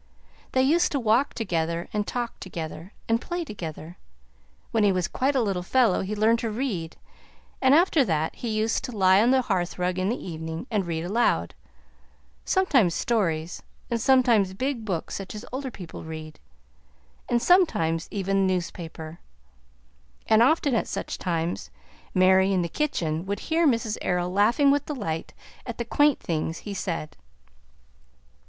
They used to walk together and talk together and play together. When he was quite a little fellow, he learned to read; and after that he used to lie on the hearth rug, in the evening, and read aloud sometimes stories, and sometimes big books such as older people read, and sometimes even the newspaper; and often at such times Mary, in the kitchen, would hear Mrs. Errol laughing with delight at the quaint things he said.